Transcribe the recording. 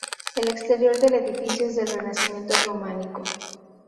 El exterior del edificio es del renacimiento románico.